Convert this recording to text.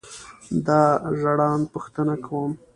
دا ژړاند پوښتنه کوم.